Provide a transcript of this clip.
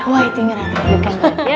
wai ting rara